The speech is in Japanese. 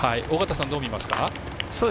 尾方さん、どう見ますか。